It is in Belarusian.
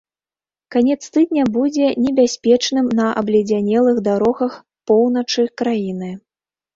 Канец тыдня будзе небяспечным на абледзянелых дарогах поўначы краіны.